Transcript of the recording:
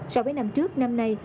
so với năm trước năm nay